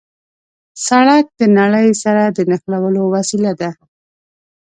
سړک د نړۍ سره د نښلولو وسیله ده.